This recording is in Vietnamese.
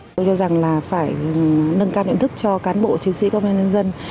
tôi cho rằng là phải nâng cao nhận thức cho cán bộ chiến sĩ công an nhân dân